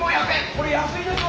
これ安いでしょ。